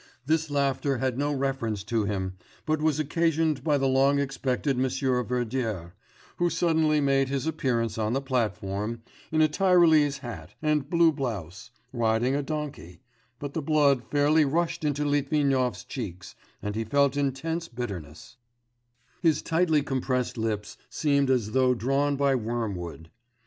This laughter had no reference to him, but was occasioned by the long expected Monsieur Verdier, who suddenly made his appearance on the platform, in a Tyrolese hat, and blue blouse, riding a donkey, but the blood fairly rushed into Litvinov's cheeks, and he felt intense bitterness: his tightly compressed lips seemed as though drawn by wormwood.